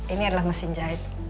ini adalah mesin jahit